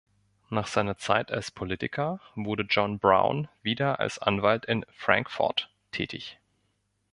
Nach seiner Zeit als Politiker wurde John Brown wieder als Anwalt in Frankfort tätig.